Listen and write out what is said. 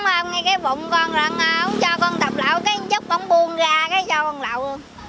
ông nghe cái bụng con lẫn ấu cho con tập lậu cái chút con buông ra cái cho con lậu